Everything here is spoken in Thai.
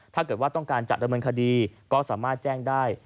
ถ้าเกิดว่าต้องการจะดำเนินคดีก็สามารถแจ้งได้